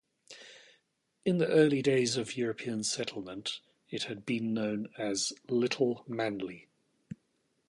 In the early days of European Settlement it had been known as Little Manly.